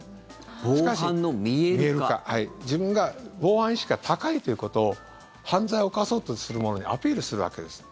自分が防犯意識が高いということを犯罪を犯そうとする者にアピールするわけです。